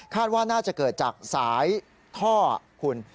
ว่าน่าจะเกิดจากสายท่อคุณ